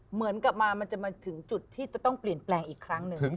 เหมือนกลับมามันจะมาถึงจุดที่จะต้องเปลี่ยนแปลงอีกครั้งหนึ่ง